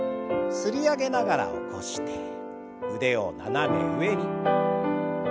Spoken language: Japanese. すり上げながら起こして腕を斜め上に。